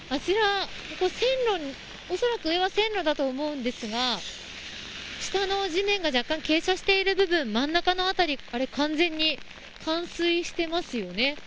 恐らく上は線路だと思うんですが下の地面が若干傾斜している部分真ん中の辺り完全に冠水していますよね。